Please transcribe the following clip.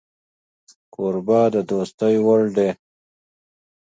کوربه د دوستۍ وړ دی